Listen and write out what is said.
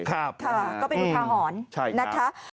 ก็เป็นรองเท้าหอน